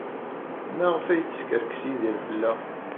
Maɣef ay yeskerkes Yidir fell-aɣ?